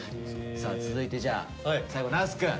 さあ続いてじゃあ最後那須くん。